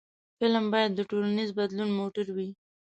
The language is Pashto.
فلم باید د ټولنیز بدلون موټر وي